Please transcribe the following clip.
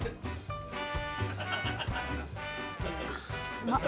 うまっ。